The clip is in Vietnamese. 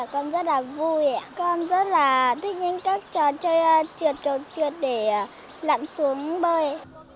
con rất là vui con rất là thích những trò chơi trượt trượt để lặn xuống bơi